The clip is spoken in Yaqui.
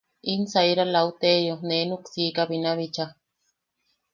In saira Lauterio nee nuksiika binabicha.